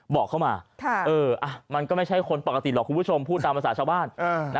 บอกเข้ามามันก็ไม่ใช่คนปกติหรอกคุณผู้ชมพูดตามภาษาชาวบ้าน